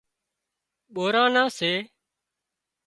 ٻوران نان سي